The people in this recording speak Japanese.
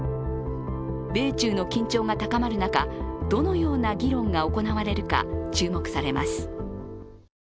米中の緊張が高まる中どのような議論が行われるか注目されます。